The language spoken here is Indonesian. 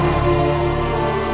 gimana kalau ini memang semen